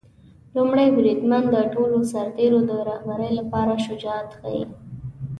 لومړی بریدمن د ټولو سرتیرو د رهبری لپاره شجاعت ښيي.